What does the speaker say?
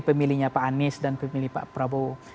pemilihnya pak anies dan pemilih pak prabowo